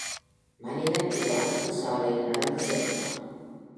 மனிதன் ஒரு அழுக்கு சாலையில் நடந்து செல்கிறான்